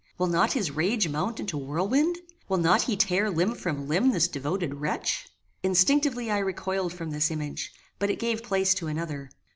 Will not his rage mount into whirlwind? Will not he tare limb from limb this devoted wretch? Instinctively I recoiled from this image, but it gave place to another.